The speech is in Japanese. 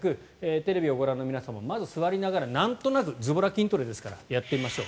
テレビをご覧の皆さんもまず座りながら、なんとなくずぼら筋トレですからやってみましょう。